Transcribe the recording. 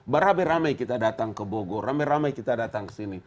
beramai ramai kita datang ke bogor ramai ramai kita datang ke sini